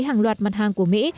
hàng loạt mặt hàng của mỹ